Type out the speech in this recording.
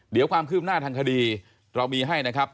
เดี๋ยวความคืบหน้าทางคดีเรามีให้นะครับ